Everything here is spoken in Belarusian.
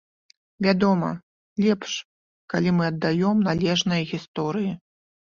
Вядома, лепш, калі мы аддаём належнае гісторыі.